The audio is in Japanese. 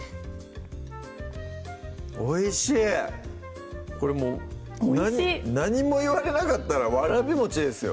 おいしいこれもう何も言われなかったらわらびですよ